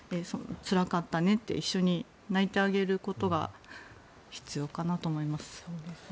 つらかったねって一緒に泣いてあげることが必要かなと思います。